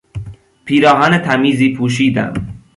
پیراهن تمیزی پوشیدم.